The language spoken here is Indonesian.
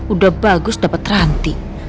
udah bagus dapet ranti